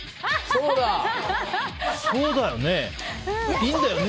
そうだよね。